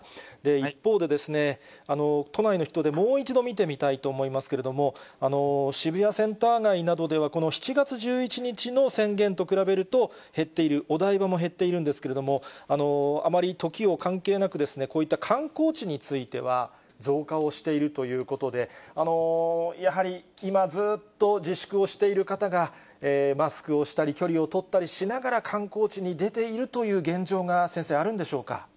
一方で、都内の人出、もう一度見てみたいと思いますけれども、渋谷センター街などでは、この７月１１日の宣言と比べると減っている、お台場も減っているんですけれども、あまり時を関係なく、こういった観光地については、増加をしているということで、やはり今ずっと自粛をしている方が、マスクをしたり、距離を取ったりしながら、観光地に出ているという現状は先生、あるんでしょうか。